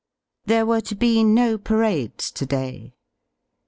There were to be no parades to day.